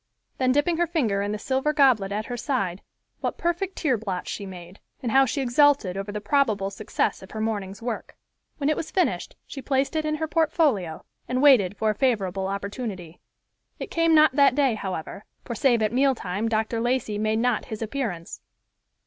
Then dipping her finger in the silver goblet at her side, what perfect tear blots she made, and how she exulted over the probable success of her morning's work! When it was finished she placed it in her portfolio, and waited for a favorable opportunity. It came not that day, however, for save at meal time Dr. Lacey made not his appearance.